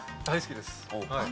大好きです。